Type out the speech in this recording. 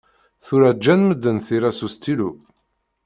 Tura ǧǧan medden tira s ustilu.